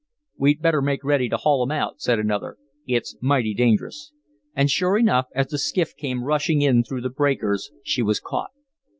"We'd better make ready to haul 'em out," said another. "It's mighty dangerous." And sure enough, as the skiff came rushing in through the breakers she was caught.